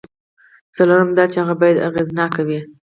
څلورم دا چې هغه باید اغېزناک وي.